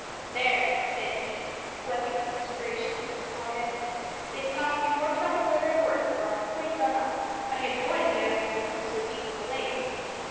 "There," said he, wiping the perspiration from his forehead. "They've cost me more trouble than they're worth, for I'm quite done up. I had no idea I had become so weak in the legs.